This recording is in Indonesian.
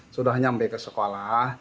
sudah sampai ke sekolah